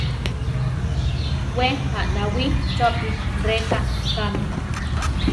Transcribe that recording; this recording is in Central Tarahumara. We aʼnawí, chópi rʼeká kámi.